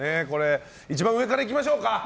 一番上からいきましょうか。